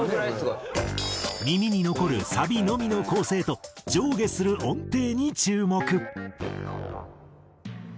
耳に残るサビのみの構成と上下する音程に注目。